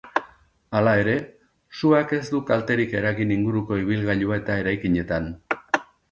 Hala ere, suak ez du kalterik eragin inguruko ibilgailu eta eraikinetan.